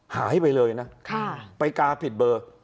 หายไปเลยนะไปกาผิดเบอร์